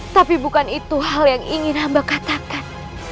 tapi bukan itu hal yang ingin hamba katakan